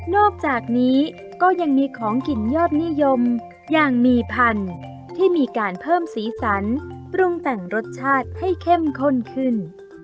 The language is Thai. อกจากนี้ก็ยังมีของกินยอดนิยมอย่างมีพันธุ์ที่มีการเพิ่มสีสันปรุงแต่งรสชาติให้เข้มข้นขึ้น